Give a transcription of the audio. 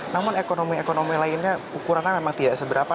namun ekonomi ekonomi lainnya ukurannya memang tidak seberapa